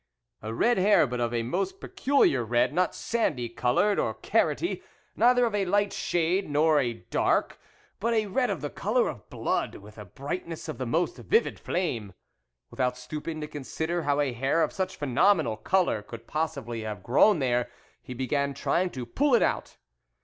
A red hair, but of a most peculiar red not sandy coloured or carrotty ; neither of a light shade nor s dark ; but a red of the colour of blood with a brightness of the most vivic flame. Without stopping to consider how a hair of such a phenomenal colour could possibly have grown there, he began trying to pull it out.